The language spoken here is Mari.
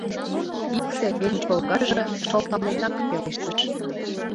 Икте, эн чолгаже, шылталенак пелештыш: